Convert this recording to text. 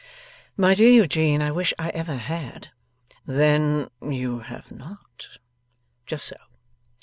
'My dear Eugene, I wish I ever had!' 'Then you have not? Just so.